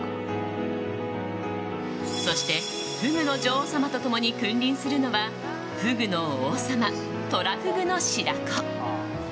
そして、フグの女王様と共に君臨するのはフグの王様、トラフグの白子。